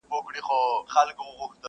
کارخانې پکښی بنا د علم و فن شي.!